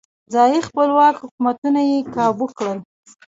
ځايي خپلواک حکومتونه یې کابو کړل.